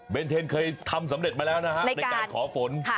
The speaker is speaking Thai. เป็นเทนเคยทำสำเร็จมาแล้วนะฮะในการขอฝน